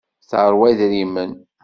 Teṛwa idrimen.